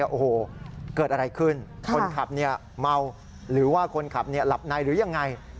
โอ้โหเกิดอะไรขึ้นคนขับเมาหรือว่าคนขับหลับในหรือยังไง